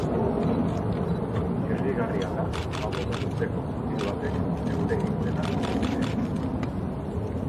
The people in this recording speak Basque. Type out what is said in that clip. Irrigarria da hamabost urteko mutil batek neure izenaz deitzea.